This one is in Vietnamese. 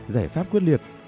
giải pháp quyết liệt